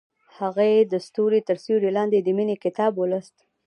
هغې د ستوري تر سیوري لاندې د مینې کتاب ولوست.